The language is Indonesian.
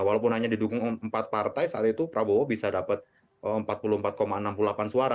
walaupun hanya didukung empat partai saat itu prabowo bisa dapat empat puluh empat enam puluh delapan suara